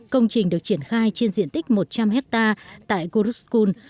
công trình được triển khai trên diện tích một trăm linh hectare tại guruskul